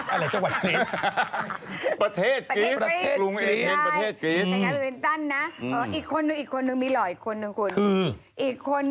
อะไรจังหวัดกรีฟ